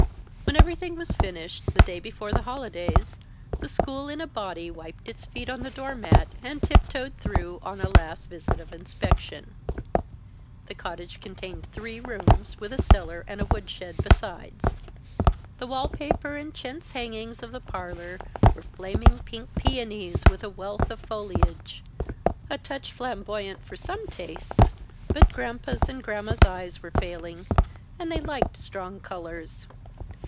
When everything was finished, the day before the holidays, the school in a body wiped its feet on the door mat and tiptoed through on a last visit of inspection. The cottage contained three rooms, with a cellar and woodshed besides. The wall paper and chintz hangings of the parlor were flaming pink peonies with a wealth of foliage a touch of flamboyant for some tastes, but Granpa's and Gramma's eyes were failing, and they liked strong colors.